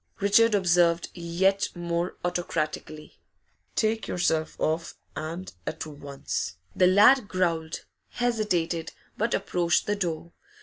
Richard observed, yet more autocratically. 'Take yourself off, and at once!' The lad growled, hesitated, but approached the door.